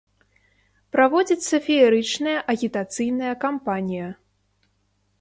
Праводзіцца феерычная агітацыйная кампанія.